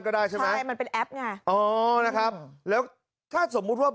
ก็ได้ใช่ไหมใช่มันเป็นแอปไงอ๋อนะครับแล้วถ้าสมมุติว่า